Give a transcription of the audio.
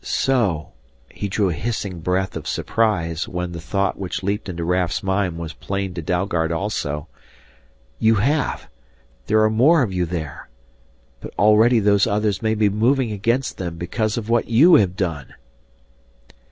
So" he drew a hissing breath of surprise when the thought which leaped into Raf's mind was plain to Dalgard also "you have there are more of you there! But already Those Others may be moving against them because of what you have done!"